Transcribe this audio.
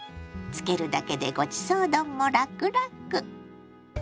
つけるだけでごちそう丼もラクラク！